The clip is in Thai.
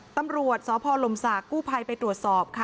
ตำรวจสพลมศักดิ์กู้ภัยไปตรวจสอบค่ะ